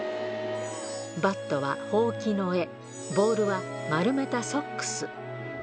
バットはほうきの柄、ボールは丸めたソックス。